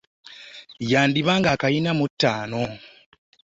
Yandiba ng'akulina mu ttaano nno.